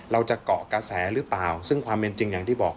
เราจะเกาะกระแสหรือเปล่าซึ่งความเป็นจริงอย่างที่บอก